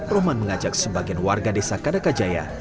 rohman mengajak sebagian warga desa kadakajaya